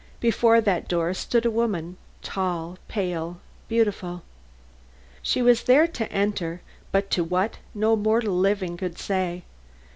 Before that door stood a woman, tall, pale, beautiful. She was there to enter, but to what no mortal living could say.